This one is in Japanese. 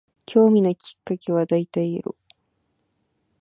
興味のきっかけは大体エロ